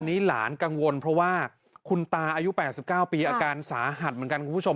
หลานกังวลเพราะว่าคุณตาอายุ๘๙ปีอาการสาหัสเหมือนกันคุณผู้ชม